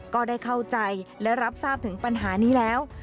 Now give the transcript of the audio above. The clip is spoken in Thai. ก็ได้เข้าใจและรับทราบถึงปัญหานี้แล้ว